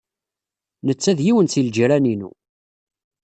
Netta d yiwen seg ljiran-inu.